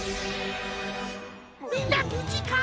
みんなぶじか？